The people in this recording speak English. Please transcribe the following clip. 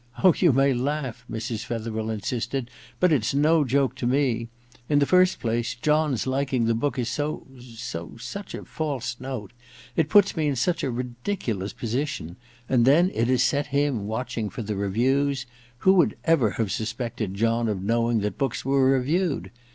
* Oh, you may laugh,* Mrs. Fetherel insisted, *but it's no joke to me. In the first place, John's liking the book is so— so — such a false note — ^it puts me in such a ridiculous position ; and then it has set him watching for the reviews — ^who would ever have suspected John of know ing that books were reviewed?